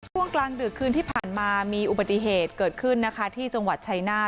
กลางดึกคืนที่ผ่านมามีอุบัติเหตุเกิดขึ้นนะคะที่จังหวัดชัยนาธ